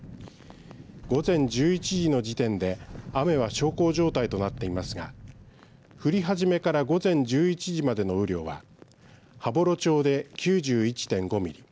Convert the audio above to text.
午前１１時の時点で雨は小康状態となっていますが降り始めから午前１１時までの雨量は羽幌町で９１．５ミリ